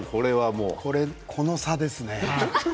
その差ですね。